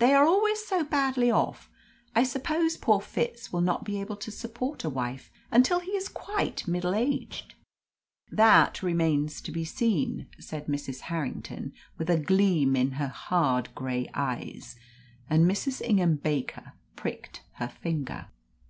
They are always so badly off. I suppose poor Fitz will not be able to support a wife until he is quite middle aged." "That remains to be seen," said Mrs. Harrington, with a gleam in her hard grey eyes, and Mrs. Ingham Baker pricked her finger.